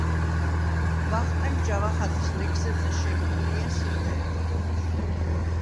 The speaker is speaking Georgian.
ვახტანგ ჯავახაძის ლექსებზე შექმნილია სიმღერები.